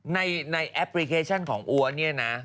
ในแอปพลิเคชันของอัวเนี่ยนะ